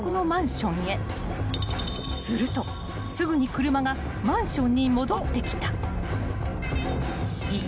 ［するとすぐに車がマンションに戻ってきた］